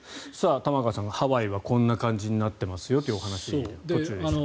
玉川さん、ハワイはこんな感じになってますよというお話途中でしたが。